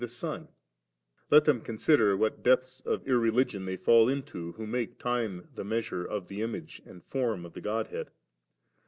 the Son) ; let them consider what depths of irreligion they £U1 into^ who make time the measure of the Image and Form of the Godhead.